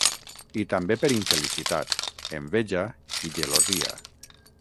I també per infelicitat, enveja i gelosia.